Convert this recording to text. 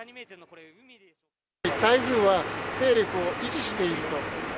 台風は勢力を維持していると。